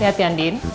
lihat ya andin